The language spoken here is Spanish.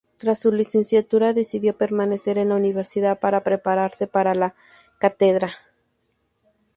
Tras su licenciatura, decidió permanecer en la universidad para prepararse para la cátedra.